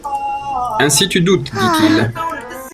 Ainsi, tu doutes ? dit-il.